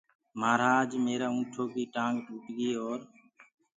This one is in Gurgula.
مهآرآج ميرآ اُنٚٺوڪي ٽآنٚگ ٽوٽگي اورَ